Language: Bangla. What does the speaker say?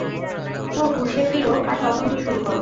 তো, হুশে ফিরো আর তদন্ত শুরু কোরো!